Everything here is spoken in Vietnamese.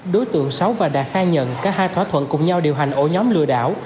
đối tượng sáu và đạt khai nhận cả hai thỏa thuận cùng nhau điều hành ổ nhóm lừa đảo